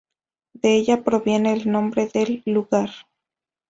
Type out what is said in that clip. De ella proviene el nombre del lugar.